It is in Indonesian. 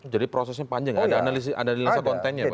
jadi prosesnya panjang ada analisa kontennya